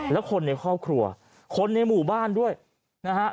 แล้วคนในครอบครัวคนในหมู่บ้านด้วยนะฮะ